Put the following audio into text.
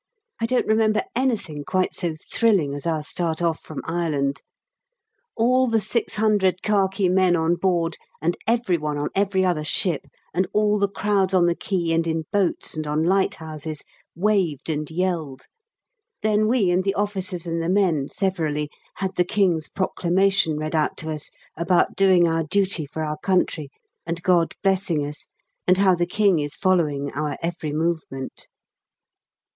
I don't remember anything quite so thrilling as our start off from Ireland. All the 600 khaki men on board, and every one on every other ship, and all the crowds on the quay, and in boats and on lighthouses, waved and yelled. Then we and the officers and the men, severally, had the King's proclamation read out to us about doing our duty for our country, and God blessing us, and how the King is following our every movement.